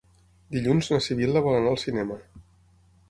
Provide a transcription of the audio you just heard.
Dilluns na Sibil·la vol anar al cinema.